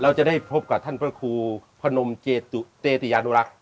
เราจะได้พบกับท่านพระครูพนมเจตุเตติยานุรักษ์